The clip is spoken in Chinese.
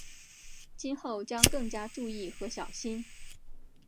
今后将更加注意和小心。